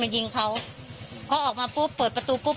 ยิงเขาพอออกมาปุ๊บเปิดประตูปุ๊บ